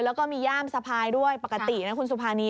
แล้วก็มีย่ามสะพายด้วยปกตินะคุณสุภานี